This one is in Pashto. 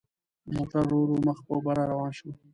موټر ورو ورو مخ په بره روان شو.